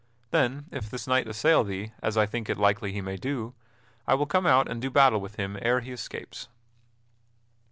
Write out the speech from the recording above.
Then if this knight assail thee, as I think it likely he may do, I will come out and do battle with him ere he escapes."